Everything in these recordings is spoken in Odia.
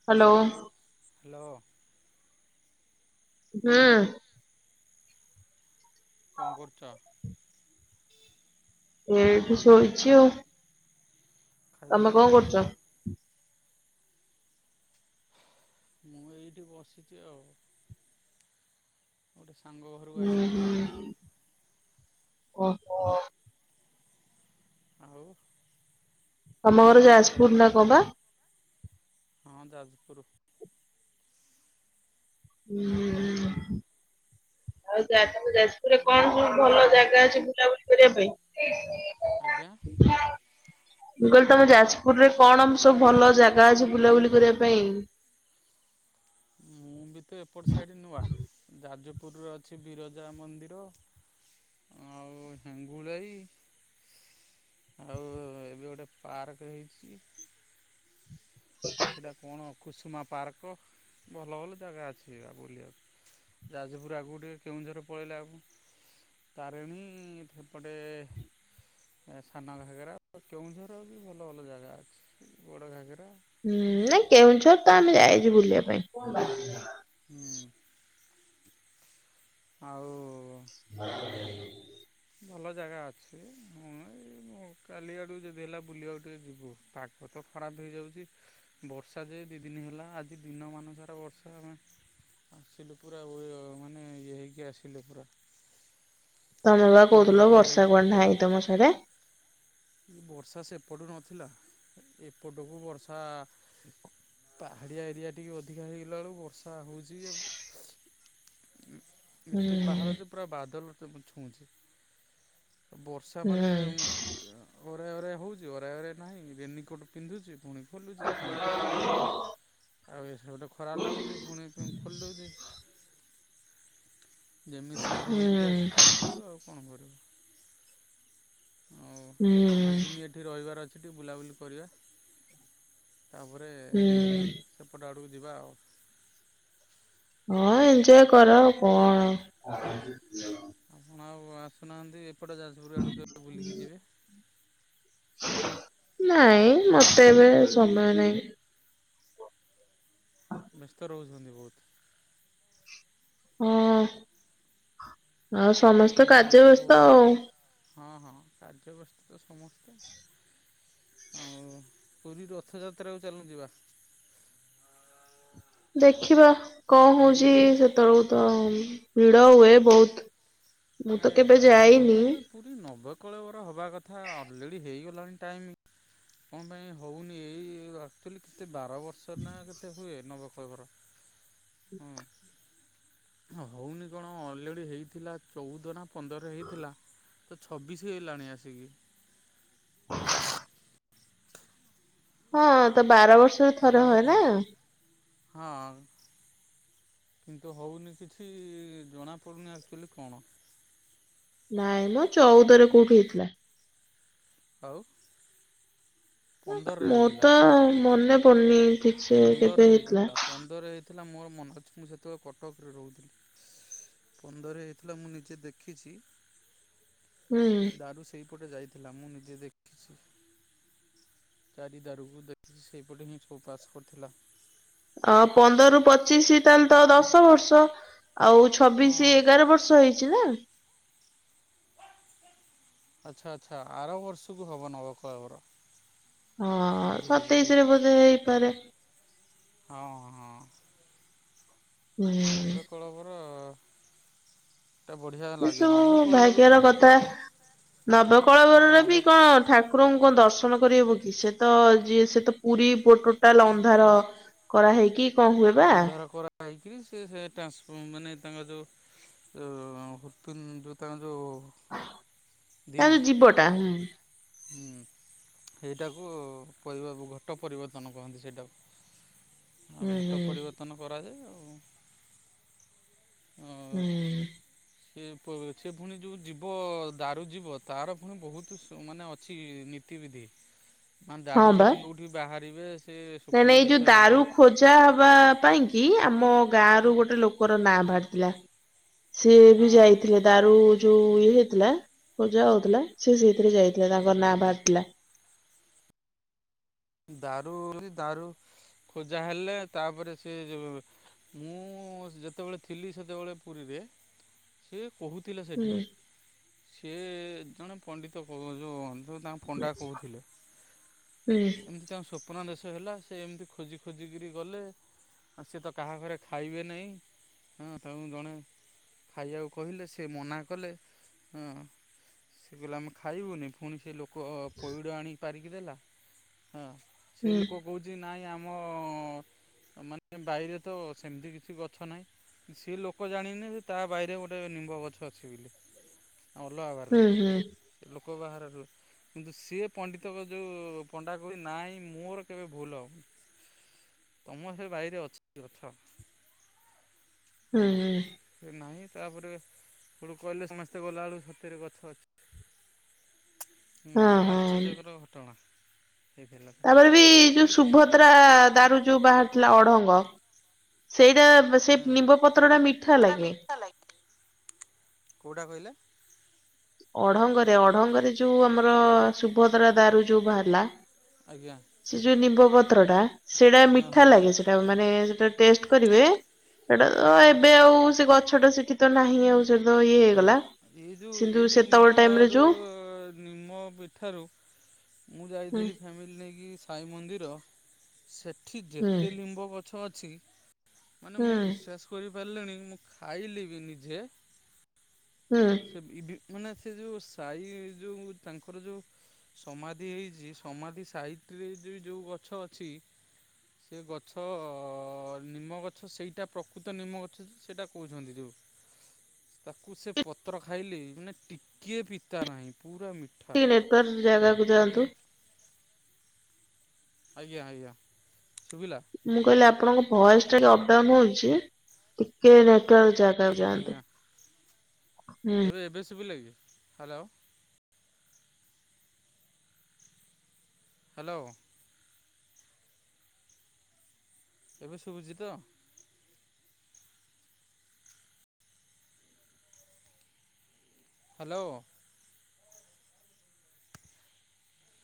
[inaudible] [inaudible] ହୁଁ। [inaudible] ଏଇଠି ଶୋଇଛି ଆଉ। ଖାଇଥିଲ ତମେ କଁ କଣ? କରୁଚ? ମୁଁ ଏଇଠି ବସିଚି ଆଉ। ଗୋଟେ ସାଙ୍ଗ ଘରକୁ ହୁଁ ଆସଥିଲି ତ। ହୁଁ। ଓହୋ। ଆଉ। ତମ କଣ ଘର ଖାଇଥିଲ? ଯାଜପୁର ନା କଁ ବା? ହଁ, ଯାଜପୁର। ହୁଁ, ଆଉ ଯାଜ୍ ଯାଜପୁରରେ ଇଆଡ଼େ କଣ ସବୁ ଭଲ ଜାଗା ଅଛି ବୁଲା ବୁଲି କରିବା ପାଇଁ। ଆଜ୍ଞା। ମୁଁ କହିଲି ତମ ଯାଜପୁରରେ କଣ ସବୁ ଭଲ ଜାଗା ଅଛି ବୁଲା ବୁଲି କରିବା ପାଇଁ? ମୁଁ ବି ତ ଏପଟ ସାଇଡ଼ ନୂଆ, ଯାଜପୁରର ଅଛି ବିରଜା ମନ୍ଦିର, ଆଉ ହିଙ୍ଗୁଲାଇ। ଆଉ ଏବେ ଗୋଟେ ପାର୍କ ହେଇଚି। [unintelligible] ସେଇଟା କଣ କୁସୁମା ପାର୍କ ଭଲ ଭଲ ଜାଗା ଅଛି ବା ବୁଲିଆକୁ। ଯାଜପୁର ଆଗକୁ ଟିକେ କେଉଁଝର ପଳେଇଲେ [unintelligible] ତାରେଣୀ ସେପଟେ ସାନ ଘାଗେରା କେଉଁଝର ବି ଭଲ ଭଲ ଜାଗା ଅଛି ବଡ଼ ଘାଗେରା। ହୁଁ, ନାଇଁ କେଉଁଝର ତ ଆମେ ଯାଇଛୁ ବୁଲିଆ ପାଇଁ। ହୁଁ। ଆଉ [unintelligible] ଭଲ ଜାଗା ଅଛି ମୁଁ ଏଇ କାଲି ଆଡକୁ ଯଦି ହେଲା ବୁଲିବାକୁ ଟିକେ ଯିବୁ ପା [unintelligible] ଖରାପ ହେଇଯାଉଚି ବର୍ଷା ଯେ ଦି ଦିନ ହେଲା ଆଜି ଦିନମାନ ସାରା ବର୍ଷା ଆମେ ଆସିଲୁ ପୁରା ଓଏ ମାନେ ଇଏ ହେଇକି ଆସିଲୁ ପୁରା। ତମେ ବା କହୁଥିଲ ଓଦା ବର୍ଷା ହେଇକିରି କୁଆଡେ ପୁରା ନାହିଁ ତମ ସାଡେ। ବର୍ଷା ସେପଟୁ ନଥିଲା ଏ-ଏପଟକୁ ବର୍ଷା ପାହାଡିଆ ଏରିଆ ଟିକେ ଅଧିକା ହେଇଗଲା ବେଳକୁ ବର୍ଷା ହଉଚି [unintelligible] ଏତେ ପାହାଡ଼ ହୁଁ ଯେ ପୁରା ବାଦଲ ତାକୁ ଛୁଉଁଚି। ବର୍ଷା ମାନେ ହୁଁ ତ ଅରାଏ ହଉଛି ଅରାଏ ଅରାଏ ନାହିଁ, ରେନିକୋଟ୍ ପିନ୍ଧୁଚି ପୁଣି ଖୋଲୁଚି ପୁଣି ପିନ୍ଧୁଚି। ଆଉ ଏସ ଗୁଟେ ଖରା ଲାଗୁଛି ଫୁଣି ଖୋଲି ଦଉଚି। ଯେମିତି ସେମିତି ହେଇକିରି ଆସିି ହୁଁ ପହଞ୍ଚିଲୁ ଆଉ କଣ କରିବୁ। ହଉ ହୁଁ ଦି ଦିନ ଏଠି ରହିବାର ଅଛିି ଟିକେ ବୁଲାବୁଲି କରିବା। ତାପରେ ହୁଁ। ସେପଟ ଆଡ଼କୁ ଯିବା ଆଉ। ହଁ ଏଞ୍ଜୟ କର ଆଉ କଣ। ଆପଣ ଆଉ ଆସୁନାହାନ୍ତି ଏପଟେ ଯାଜପୁର ଆଡ଼କୁ କେବେ ବୁଲିକି ଯିବେ। ନାଇଁ ମତେ ଏବେ ସମୟ ନାଇଁ। ବ୍ୟସ୍ତ ରହୁଛନ୍ତି ବହୁତ। ହଁ ଆଉ ସମସ୍ତ କାମ କାର୍ଯ୍ୟ ରହୁଥିବେ ବ୍ୟସ୍ତ ବହୁତ ଆଉ। ହଁ ହଁ କାର୍ଯ୍ୟ ବ୍ୟସ୍ତ ତ ସମସ୍ତେ। ଆଉ ପୁରୀ ରଥଯାତ୍ରାକୁ ଚାଲନ୍ତୁ ଯିବା। ଦେଖିବା କଁ ପୁରୀ ହଉଚି ସେତେବେଳକୁ ତ ଭିଡ ହୁଏ ବହୁତ। ମୁଁ ତ କେବେ ଏ ହଁ ଭିଡ଼ ଯାଇନି। ହୁଏ ପୁରୀ ନବକଳେବର ହବା କଥା ଅଲରେଡ଼ି ହୋଇଗଲାଣି ଟାଇମ୍। କଁ ପାଇଁ ହଉନି ଏଇ ଘ ଆକ୍ଚୁଆଲି କେତେ ବାର ବର୍ଷ ନା କେତେ ହୁଏ ନବକଳେବର? ହଁ ହଉନି କଣ ଅଲରେଡ଼ି ହେଇଥିଲା ଚଉଦ ନା ପନ୍ଦର ହେଇଥିଲା। ତ ଛବିଶ ହେଲାଣି ଆସିକି। ହଁ ତ ବାର ବର୍ଷ ହେବା କଥା ହଁ କିନ୍ତୁ ହେଉନି କିଛି ଜଣାପଡ଼ୁନି ଆକ୍ଚୁଆଲି କଣ? ନାଇଁ ମ ଚଉଦରେ କୋଉଠି ହେଇଥିଲା? ଆଉ ପନ୍ଦରରେ ମୋର ହେଇଥିଲା। ତ ମନେ ପଡୁନି ଠିକ୍ ସେ କେବେ ହେଇଥିଲା ପନ୍ଦର ରେ ହେଇଥିଲା ମୋର ମନେ ଅଛି ମୁଁ ସେତେବେଳେ କଟକରେ ରହୁଥିଲି। ପନ୍ଦର ହେଇଥିଲା ମୁଁ ନିଜେ ଦେଖିଛି ହୁଁ ଦାରୁ ସେଇପଟେ ଯାଇ ଥିଲା ମୁଁ ନିଜେ ଦେଖିଛି ଚାରିଦାରୁକୁ ଦେଖି ସେହିପଟେ ହିଁ ଉପାସ କରିଥିଲା। ଅ ପନ୍ଦରରୁୁ ପଚିଶି ତାହେଲେ ତ ଦଶ ବର୍ଷ ଆଉଛ ହଁ। ଛବିଶ ଏଗାର ବର୍ଷ ହେଇଛି ନା? ଆଛା ଆଚ୍ଛା ଆର ବର୍ଷକୁ ହବ ନବକଳବର। ହଁ ସତେଇଶ ରେ ବୋଧେ ହେଇପାରେ। ହଁ ହଁ। ହୁଁ ନବେ କଳେବର ଏ ସବୁ କଳବରକୁ ଭାଗ୍ୟର କଥା ଆଉ ନବକଳବରରେ ନବେ ବି କଣ ଠାକୁ ଠାକୁରଙ୍କୁ କଣ ଦର୍ଶନ କରିହେବ କି ସେ ତ ଯିଏ ସେ ତ ପୁରୀ ଟୋଟାଲ ଅନ୍ଧାର କରାହେଇକି ଅନ୍ଧାର କରା ହେଇକି ସେ ସେ ଟାସ ମାନେ ତାଙ୍କ ଯୋଉ ଯଉ ହପ ଯୋଉ ତାଙ୍କ ଯୋଉ ତାର ଦିଲ୍ ଯିବଟା ହୁଁ। ଏଇଟାକୁ ପରି ଘଟ ପରିବର୍ତ୍ତନ କହନ୍ତି ସେଇଟାକୁ ଆ ହୁଁ ଘଟ ହୁଁ ପରିବର୍ତ୍ତନ କରାଯାଏ ଆଉ ହୁଁ। ସେ ସେ ଫୁଣି ଯୋଉ ଯିବ ଦାରୁ ଯିବ ତାର ପୁଣି ବହୁତ ମାନେ ଅଛି ନୀତି ବିିଧି ମାନେ ହଁ ଦାରୁ ବା। ସେଠି ବି ବାହାରିବେ ସେ ନାଇଁ ନାଇଁ ଏଇ ଯୋଉ ସ୍ୱପ୍ନାଦେଶ ହେବେ। ଦାରୁ ଖୋଜା ହବା ପାଇଁ କି ଆମ ଗାଁ ର ଗୋଟେ ଲୋକର ନାଁ ବାହାରିଥିଲା। ସିଏ ବି ହଁ ଯାଇଥିଲେ ଦାରୁ ଯୋଉ ଇଏ ହେଇଥିଲା ପୂଜା ହଉଥିଲା ସେ ସେଇଥିରେ ଯାଇଥିଲା ତାଙ୍କ ନାଁ ବାହାରିଥିଲା। ଦାରୁ ଦାରୁ ଖୋଜା ହେଲେ ତାପରେ ସେ ଯୋଉ ମୁଁ ଯେତେବେଳେ ଥିଲି ସେତେବେଳେ ପୁରୀରେ ସେ କହୁଥିଲା ହୁଁ ସେଠି ସେ ଜଣେ ପଣ୍ଡିତ ଯେଉଁ ଯେ ତାଙ୍କ ପଣ୍ଡା କହୁଥିଲେ ହୁଁ। ଏମିତି ତାଙ୍କ ସ୍ୱପ୍ନ ଦେଶ ହେଲା ସେ ଏମିତି ଖୋଜି ଖୋଜିକରି ଗଲେ ଆଉ ସିଏ ତ କାହା ଘରେ ଖାଇବେ ନାହିଁ ହଁ ତେଣୁ ଜଣେ ଖାଇବାକୁ କହିଲେ ସେ ମନା କଲେ ହ ସେ କହିଲ ଆମେ ଖାଇବୁନି ପୁଣି ସେ ଲୋକ ପଇଡ଼ ଆଣିି ପାରିକି ଦେଲା ହଁ ସେ ହୁଁ ଲୋକ କହୁଛି ନାଇଁ ଆମ ମାନେ ବାଇରେ ତ ସେମିତି କିଛି ଗଛ ନାହିଁ ସିଏ ଲୋକ ଜାଣିନେ ଯେ ତା ବାଇରେ ଗୋଟେ ନିମ୍ବ ଗଛ ଅଛି ବୋଲି ଆ ଅଲଗା ହୁଁ ହୁଁ ବାରିରୁ ଲୋକ ବାହାରାରୁ କିନ୍ତୁ ସେ ପଣ୍ଡିତଙ୍କ ଯେଉଁ ପଣ୍ଡା କହୁଛି ନାଇଁ ମୋର କେବେ ଭୁଲହବ ତମ ସେ ବାଇରେ ଅଛି ଗଛ। ହୁଁ ହଁ। ହୁଁ ସେ ନାହିଁ ତାପରେ ସେତେବେଳୁ କହିଲେ ସମସ୍ତେ ଗଲାବେଳକୁ ସତରେ ଗଛ ଅଛି। ହୁଁ ହଁ ଗୋଟେ ହଁ ଆଶ୍ଚର୍ଯ୍ୟକର ଘଟଣା। ହେଇଥିଲା। ତାପରେ ବି ଏମିତି ମୁଁ ଥିଲି [unintelligible] ଦାରୁ ଯୋଉ ବାହାରିଥିଲା ଅଢଙ୍ଗ, ସେଇଟା ସେ ହୁଁ। ନିମ୍ବ ପତ୍ରଟା ମିଠା ଟା ଲାଗେ। ମିଠା ଲାଗେ। କୋଉଟା କହିଲେ? ଅଢଙ୍ଗରେ ଅଢଙ୍ଗରେ ଯୋଉ ଆମର ସୁଭଦ୍ରା ଦାରୁ ଯୋଉ ବାହାରିଲା ଆଜ୍ଞା। ସେ ଯୋଉ ନିମ୍ବ ପତ୍ର ଟା, ସେଇଟା ହଁ ମିଠା ହଁ। ଲାଗେ। ସେଟା ମାନେ ସେଟା ଟେଷ୍ଟ କରିବେ ସେଟା ତ ହଁ ଏବେ ଆଉ ସେ ଗଛଟା ସେଠି ତ ନାହିଁ ଆଉ ସେଠି ତ ଇଏ ହୁଁ। ହେଇଗଲା। ଏଇ ଯୋଉ କିନ୍ତୁ ଏଇ ଯୋଉ ସେତେବେଳେ ଟାଇମ ରେ ମିଠାରୁ ଯୋଉ ନିମ ମିଠାରୁ ମୁଁ ହୁଁ ଯାଇଥିଲି ଫ୍ୟାମିଲି ନେଇକି ସାଇ ମନ୍ଦିର, ସେଠି ହୁଁ ଯେତେ ଲିମ୍ବ ଗଛ ଅଛି ମାନେ ହୁଁ ମୁଁ ବିଶ୍ୱାସ କରିପାରିଲିଣି ମୁଁ ଖାଇଲି ବି ନିଜେ ହୁଁ। ସେ [unintelligible] ସେ ଯୋଉ ସାଇ ଯୋଉ ତାଙ୍କର ଯୋଉ ସମାଧି ହେଇଚି ସମାଧି ସାଇଟ୍ ରେ ବି ଯୋଉ ଯୋଉ ଗଛ ଅଛି ସେ ଗଛ ନିମଗଛ ସେଇଟା ପ୍ରକୃତ ନିମ ଗଛ ସେଇଟା କହୁଛନ୍ତି ଯୋଉ। ତାକୁ ସେ ପତ୍ର ଖାଇଲି ମାନେ ଟିକିଏ ପିତା ନାହିଁ। ପୁରା ମି ଟିକେ ନେଟୱର୍କ ଜାଗାକୁ ଯାଆନ୍ତୁ। ଆଜ୍ଞା ଆଜ୍ଞା। ଶୁବିଲା? ମୁଁ କହିଲି ଆପଣଙ୍କ ଭଏସ୍ ଟା ଅପ୍ ଡାଉନ୍ ହଉଚି। ଟିକେ ନେଟୱର୍କ ଯାଗା କୁ ଯାଆନ୍ତୁ। ଆଜ୍ଞା ହୁଁ। ଏବେ ଏବେ ଶୁବିଲା କି? ହାଲୋ। ହାଲୋ। ଏବେ ଶୁବୁଚି ତ? Hello.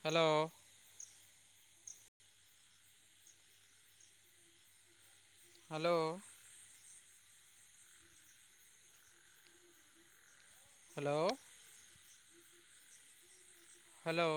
Hello. Hello. Hello. Hello.